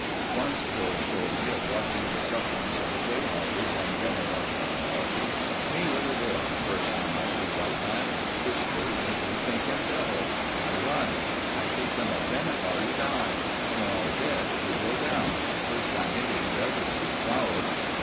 Once George told me of watching the sufferings of the Jayhawkers and Bennett Arcane party: "Me little boy, first time I see white man. Whiskers make me think him devil. I run. I see some of Bennett party die. When all dead, we go down. First time Indians ever see flour.